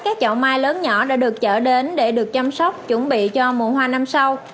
các chậu mai lớn nhỏ đã được chở đến để được chăm sóc chuẩn bị cho mùa hoa năm sau